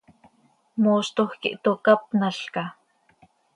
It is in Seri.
¿Mooztoj quij tocápnalca?